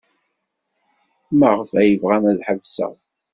Maɣef ay bɣan ad ḥebseɣ?